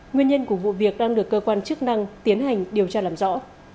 nguyên nhân của vụ việc đang được cơ quan chức năng tiến hành điều tra làm rõ